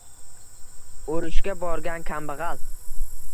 Urushga borgan kambag‘al